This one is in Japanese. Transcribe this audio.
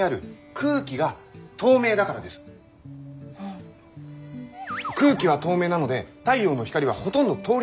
空気は透明なので太陽の光はほとんど通り抜けてしまいます。